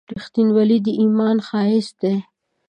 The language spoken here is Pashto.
• رښتینولي د ایمان ښایست دی.